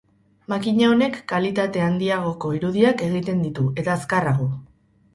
Makina honek kalitate handiagoko irudiak egiten ditu, eta azkarrago.